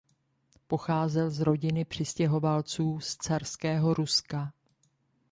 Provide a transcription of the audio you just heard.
Pocházel z rodiny přistěhovalců z carského Ruska.